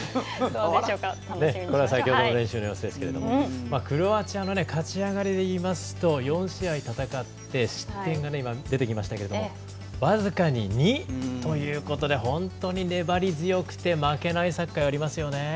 先ほどの練習の様子ですけどもクロアチアの勝ち上がりでいいますと４試合戦って失点が僅かに２ということで本当に粘り強くて負けないサッカーをやりますよね。